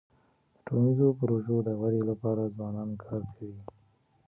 د ټولنیزو پروژو د ودی لپاره ځوانان کار کوي.